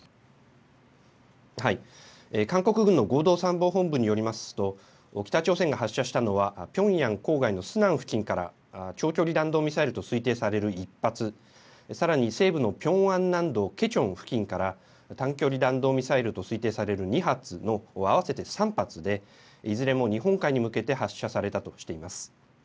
韓国軍の合同参謀本部によりますと、北朝鮮が発射したのは、ピョンヤン郊外のスナン付近から長距離弾道ミサイルと推定される１発、さらに西部のピョンアン南道ケチョン付近から、短距離弾道ミサイルと推定される２発の合わせて３発で、いずれも日本海に向けて発射されたとしています。